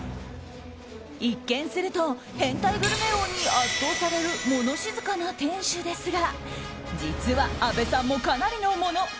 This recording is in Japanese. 一見すると変態グルメ王に圧倒される物静かな店主ですが実は、阿部さんもかなりのもの。